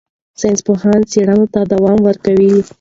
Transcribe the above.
ساینسپوهان څېړنې ته دوام ورکوي.